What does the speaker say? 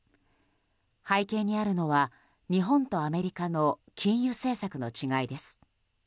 背景にあるのは日本とアメリカの金融政策の違いです。